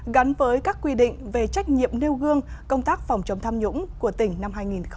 gắn với các quy định về trách nhiệm nêu gương công tác phòng chống tham nhũng của tỉnh năm hai nghìn một mươi chín